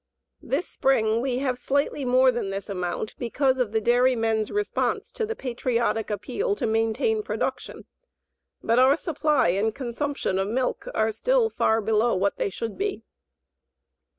This spring we have slightly more than this amount because of the dairymen's response to the patriotic appeal to maintain production, but our supply and consumption of milk are still far below what they should be.